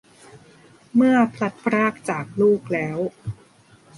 เมื่อพลัดพรากจากลูกแล้ว